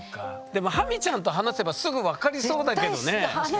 でもハミちゃんと話せばすぐ分かりそうだけどね。